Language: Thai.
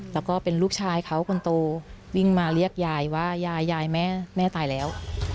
แล้วก็เป็นลูกชายเขาคนโตวิ่งมาเรียกยายว่ายายยายแม่ตายแล้ว